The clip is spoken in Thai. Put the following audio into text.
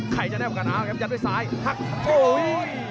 ใครจะได้ประการอาวุธครับยัดไว้ซ้ายหักโอ้โหย